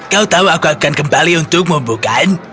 kau tahu aku akan kembali untukmu bukan